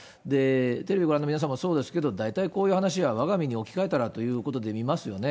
テレビご覧の皆さんもそうですけど、大体こういう話は、わが身に置き換えたらということで見ますよね。